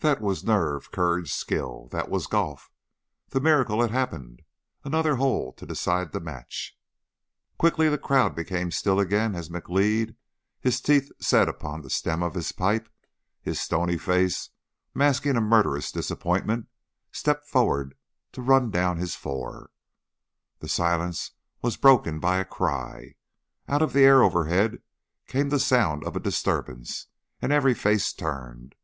That was nerve, courage, skill! That was golf! The miracle had happened! Another hole to decide the match. Quickly the crowd became still again as McLeod, his teeth set upon the stem of his pipe, his stony face masking a murderous disappointment, stepped forward to run down his four. The silence was broken by a cry. Out of the air overhead came the sound of a disturbance, and every face turned.